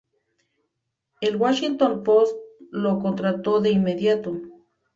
El Washington Post lo contrató de inmediato.